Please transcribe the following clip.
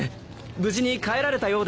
無事に帰られたようで。